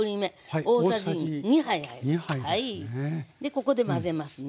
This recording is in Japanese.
ここで混ぜますね。